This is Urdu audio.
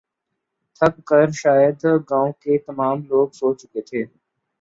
تھک کر شاید گاؤں کے تمام لوگ سو چکے تھے